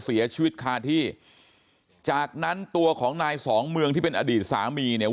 เสียชีวิตคาที่จากนั้นตัวของนายสองเมืองที่เป็นอดีตสามีเนี่ย